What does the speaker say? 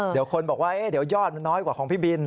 เดี๋ยวคนบอกว่าเดี๋ยวยอดมันน้อยกว่าของพี่บิน